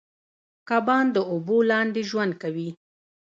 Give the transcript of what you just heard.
کبان د اوبو لاندې ژوند کوي